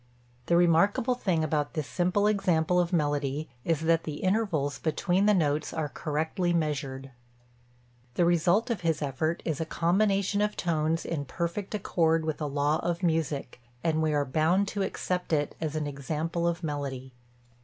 The remarkable thing about this simple example of melody is that the intervals between the notes are correctly measured. The result of his effort is a combination of tones in perfect accord with a law of music, and we are bound to accept it as an example of melody.